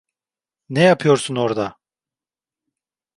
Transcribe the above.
Ne yapıyorsun orada?